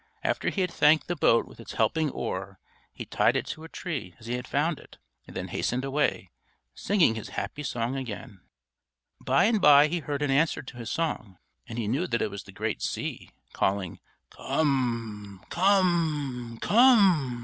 After he had thanked the boat with its helping oar, he tied it to a tree as he had found it, and then hastened away, singing his happy song again. By and by he heard an answer to his song, and he knew that it was the great sea, calling "Come! Come! Come!"